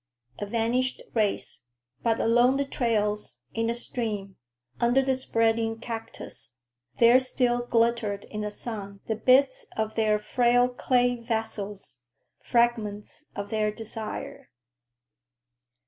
A vanished race; but along the trails, in the stream, under the spreading cactus, there still glittered in the sun the bits of their frail clay vessels, fragments of their desire.